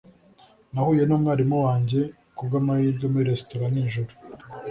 Nahuye numwarimu wanjye kubwamahirwe muri resitora nijoro